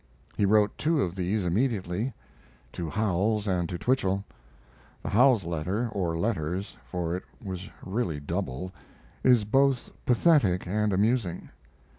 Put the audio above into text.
He wrote two of these immediately to Howells and to Twichell. The Howells letter (or letters, for it was really double) is both pathetic and amusing.